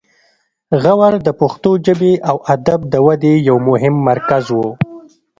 غور د پښتو ژبې او ادب د ودې یو مهم مرکز و